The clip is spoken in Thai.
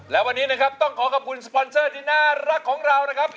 และวันนี้นะครับต้องขอขอบคุณสปอนเซอร์ที่น่ารักของเรานะครับ